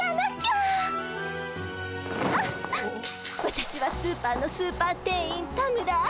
私はスーパーのスーパー店員田村愛。